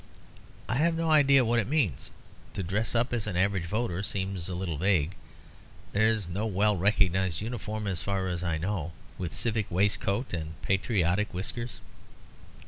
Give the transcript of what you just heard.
I have no idea what it means. To dress up as an average voter seems a little vague. There is no well recognised uniform, as far as I know, with civic waistcoat and patriotic whiskers.